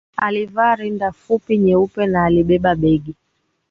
Alivaa rinda fupi nyeupe na alibeba begi